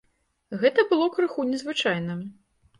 Гэта было крыху незвычайна.